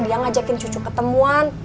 dia ngajakin cucu ketemuan